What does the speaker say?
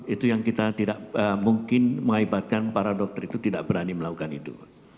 itu yang kita tidak mungkin mengaibatkan para dokter itu tidak berani melakukan itu